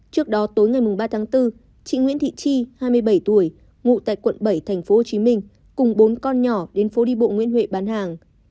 trước đó tối ngày ba tháng bốn chị nguyễn thị chi hai mươi bảy tuổi ngụ tại quận bảy tp hcm cùng bốn con nhỏ đến phố đi bộ nguyễn huệ bán hàng